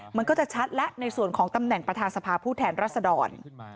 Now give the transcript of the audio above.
มันก็จะชัดแล้วในส่วนของตำแหน่งประธานสภาผู้แทนรัศดร